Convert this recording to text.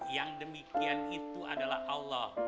yang demikian itu adalah allah